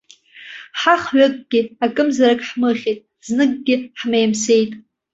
Ҳахҩыкгьы акымзарак ҳмыхьит, зныкгьы ҳмеимсеит.